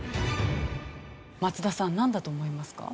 松田さんなんだと思いますか？